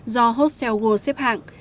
do hostel world xếp hạng